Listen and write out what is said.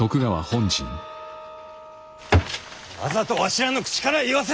わざとわしらの口から言わせたんじゃ！